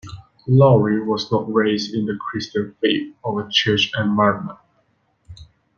Laurie was not raised in the Christian faith or a church environment.